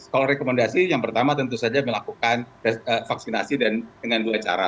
kalau rekomendasi yang pertama tentu saja melakukan vaksinasi dengan dua cara